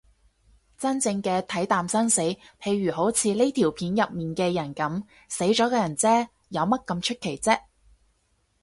真正嘅睇淡生死，譬如好似呢條片入面嘅人噉，死咗個人嗟，有乜咁出奇啫